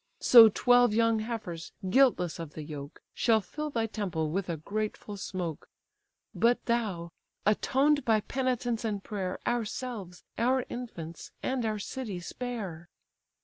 So twelve young heifers, guiltless of the yoke, Shall fill thy temple with a grateful smoke. But thou, atoned by penitence and prayer, Ourselves, our infants, and our city spare!"